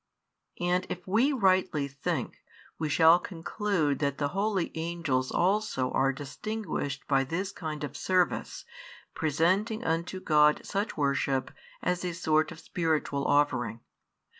And if we rightly think, we shall conclude that the holy angels also are distinguished by this kind [of service], presenting unto God such worship as a sort of spiritual offering.